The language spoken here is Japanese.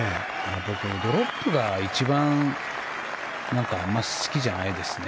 僕もドロップが一番あんまり好きじゃないですね